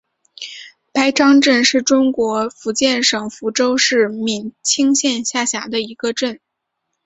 白樟镇是中国福建省福州市闽清县下辖的一个镇。